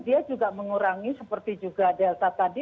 dia juga mengurangi seperti juga delta tadi